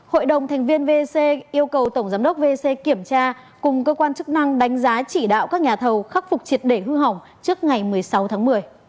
hội đồng thành viên vc yêu cầu tổng giám đốc vc kiểm tra cùng cơ quan chức năng đánh giá chỉ đạo các nhà thầu khắc phục triệt để hư hỏng trước ngày một mươi sáu tháng một mươi